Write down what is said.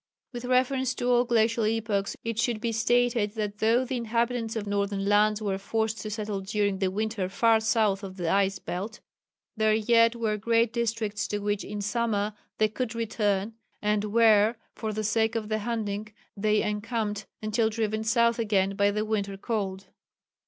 With reference to all glacial epochs it should be stated that though the inhabitants of northern lands were forced to settle during the winter far south of the ice belt, there yet were great districts to which in summer they could return, and where for the sake of the hunting they encamped until driven south again by the winter cold.